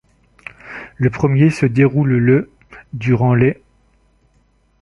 Le premier se déroule le durant les '.